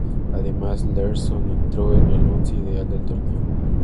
Además, Larsson entró en el once ideal del torneo.